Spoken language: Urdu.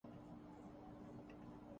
جو بھی شخص پریشان ہے